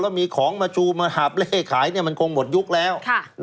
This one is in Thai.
แล้วมีของมาชูมาหาบเล่ขายมันคงหมดยุคแล้ว